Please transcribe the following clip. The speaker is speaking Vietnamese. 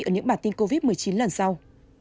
ở những bản tin covid một mươi chín lần sau